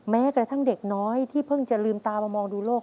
แม้กระทั่งเด็กน้อยที่เพิ่งจะลืมตามามองดูโลก